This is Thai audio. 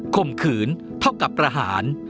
ข่มขืนเท่ากับประหาร